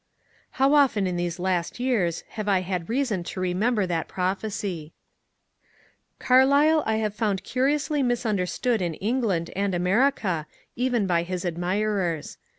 How often in these last years have I had reason to remem ber that prophecy ! Carlyle I have found curiously misunderstood in Ei^land and America, even by his admirers.